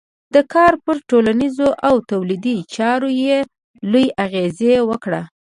دا کار پر ټولنیزو او تولیدي چارو یې لوی اغېز وکړ.